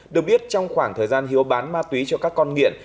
được biết trong khoảng thời gian hiếu bán ma túy cho các con nghiện